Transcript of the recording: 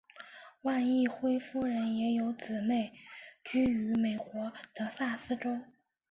方奕辉夫人也有姊妹居于美国德萨斯州。